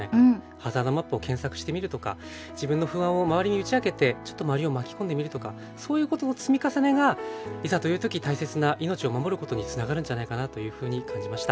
ハザードマップを検索してみるとか自分の不安を周りに打ち明けてちょっと周りを巻きこんでみるとかそういうことの積み重ねがいざという時大切な命を守ることにつながるんじゃないかなというふうに感じました。